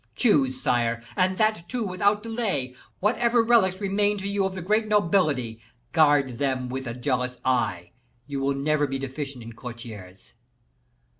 Choose, sire! and that, too, without delay. Whatever relics remain to you of the great nobility, guard them with a jealous eye; you will never be deficient in courtiers.